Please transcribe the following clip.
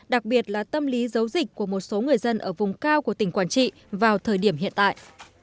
đặc biệt là tâm lý giấu dịch của một số người dân ở vùng cao của tỉnh quảng trị vào thời điểm hiện tại